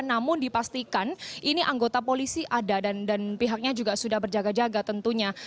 namun dipastikan ini anggota polisi ada dan pihaknya juga sudah berjaga jaga tentunya